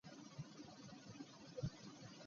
Ekisooka wajja tolina kantu!